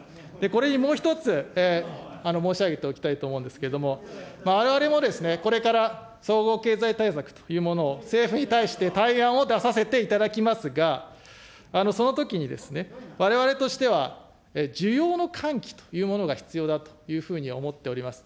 これにもう１つ、申し上げておきたいと思うんですけれども、われわれもですね、これから総合経済対策というものを、政府に対して、対案を出させていただきますが、そのときにですね、われわれとしては、需要の喚起というものが必要だというふうに思っております。